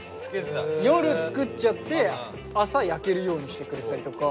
夜作っちゃって朝焼けるようにしてくれてたりとか。